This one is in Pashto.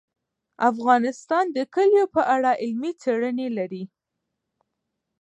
افغانستان د کلیو په اړه علمي څېړنې لري.